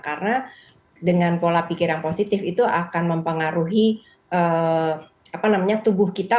karena dengan pola pikiran positif itu akan mempengaruhi apa namanya tubuh kita